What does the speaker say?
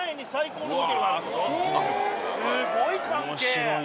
すごい関係。